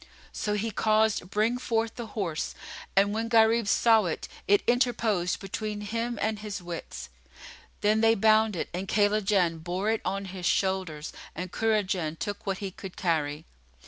So he caused bring forth the horse, and when Gharib saw it, it interposed between him and his wits.[FN#45] Then they bound it and Kaylajan bore it on his shoulders and Kurajan took what he could carry.